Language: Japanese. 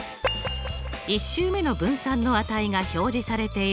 １週目の分散の値が表示されている